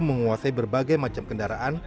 menguasai berbagai macam kendaraan